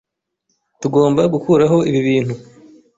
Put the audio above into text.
Tugomba gukuraho ibi bintu.